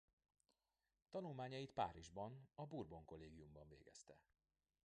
Tanulmányait Párizsban a Bourbon kollégiumban végezte.